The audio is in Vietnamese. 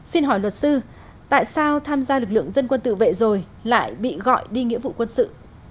xin hỏi luật sư tại sao tham gia lực lượng dân quân tự vệ rồi lại bị gọi đi nghĩa vụ quân sự